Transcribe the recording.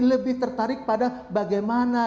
lebih tertarik pada bagaimana